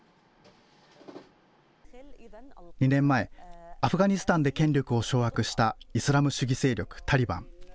２年前、アフガニスタンで権力を掌握したイスラム主義勢力タリバン。